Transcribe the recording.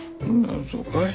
あそうかい。